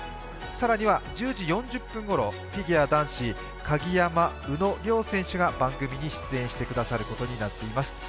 更には１０時４０分頃フィギュア男子鍵山、宇野両選手が番組に出演してくれることになっています。